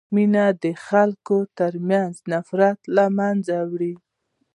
مینه د خلکو ترمنځ نفرت له منځه وړي.